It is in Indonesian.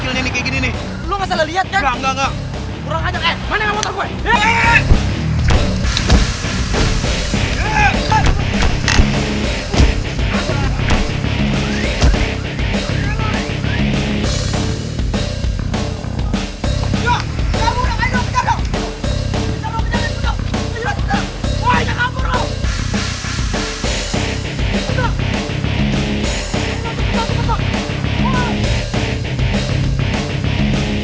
lo bikin kejahatan orang sama lo